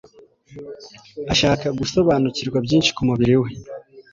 ashaka gusobanukirwa byinshi ku mubiri we.